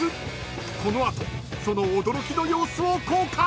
［この後その驚きの様子を公開］